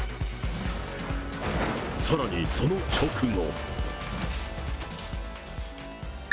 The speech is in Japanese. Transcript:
さらにその直後。